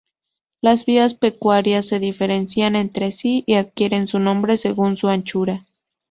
Las vías pecuarias se diferencian entre sí y adquieren su nombre según su anchura.